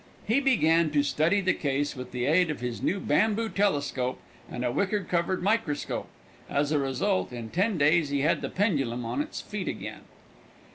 He began to study the case with the aid of his new bamboo telescope and a wicker covered microscope. As a result, in ten days he had the pendulum on its feet again.